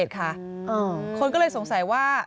คนก็เลยสงสัยว่า